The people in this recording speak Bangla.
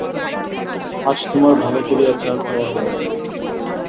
আজ তোমার ভালো করিয়া চা খাওয়া হইল না।